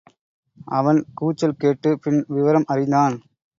அவன் கூச்சல் கேட்டுப் பின் விவரம் அறிந்தான்.